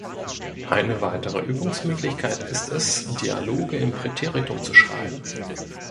Eine weitere Übungsmöglichkeit ist es, Dialoge im Präteritum zu schreiben.